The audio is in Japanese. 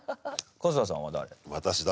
春日さんは誰？